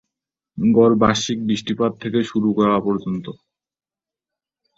গড় বার্ষিক বৃষ্টিপাত থেকে শুরু করে পর্যন্ত।